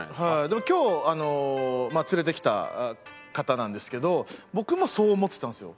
でも今日連れてきた方なんですけど僕もそう思ってたんですよ。